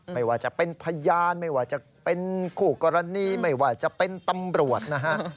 ไม่ว่าจะเป็นพยานไม่ว่าจะเป็นคู่กรณีไม่ว่าจะเป็นตำรวจนะฮะ